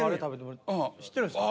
知ってるんですか？